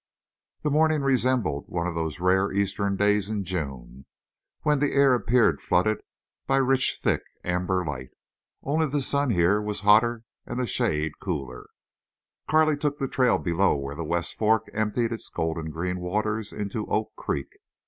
The morning resembled one of the rare Eastern days in June, when the air appeared flooded by rich thick amber light. Only the sun here was hotter and the shade cooler. Carley took to the trail below where West Fork emptied its golden green waters into Oak Creek.